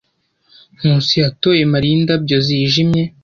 Nkusi yatoye Mariya indabyo zijimye.